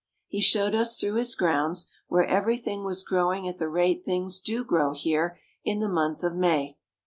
He showed us through his grounds, where every thing was growing at the rate things do grow here in the month of May.